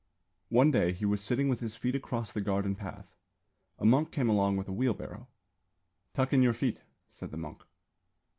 One day he was sitting with his feet across the garden path. A monk came along with a wheel barrow. "Tuck in your feet," said the monk.